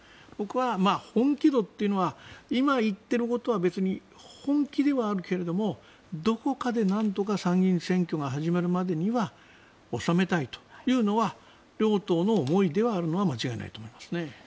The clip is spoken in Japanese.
僕は本気度というのは今言っていることは別に本気ではあるけどどこかでなんとか参議院選挙が始まるまでには収めたいというのは両党の思いではあるのは間違いないと思いますね。